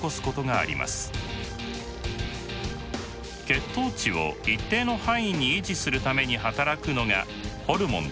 血糖値を一定の範囲に維持するために働くのがホルモンです。